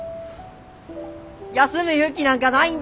休む勇気なんかないんだ。